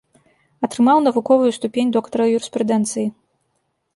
Атрымаў навуковую ступень доктара юрыспрудэнцыі.